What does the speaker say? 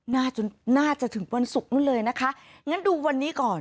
น่าจะน่าจะถึงวันศุกร์นู้นเลยนะคะงั้นดูวันนี้ก่อน